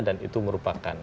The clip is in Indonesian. dan itu merupakan